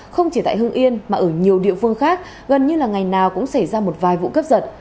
không chỉ tại hưng yên mà ở nhiều địa phương khác gần như là ngày nào cũng xảy ra một vài vụ cấp giật